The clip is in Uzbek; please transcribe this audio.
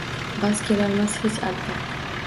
Bas kelolmas hech alpi